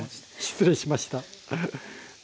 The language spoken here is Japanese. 失礼しました。